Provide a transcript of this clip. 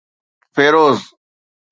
Feroze